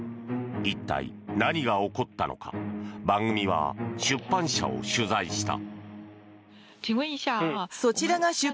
一体、何が起こったのか番組は出版社を取材した。